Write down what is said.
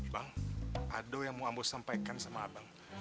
bang ada yang mau ambu sampaikan sama abang